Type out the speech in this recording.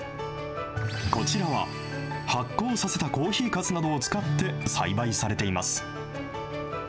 こちらは発酵させたコーヒーかすなどを使って栽培されています。